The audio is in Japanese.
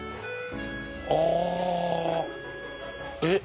あ！えっ？